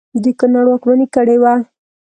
د کنړ واکمني کړې وه.